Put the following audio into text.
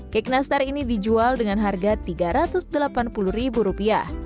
cake nastar ini dijual dengan harga rp tiga ratus delapan puluh